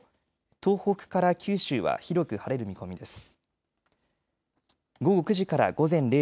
東北から九州は広く晴れる見込みです。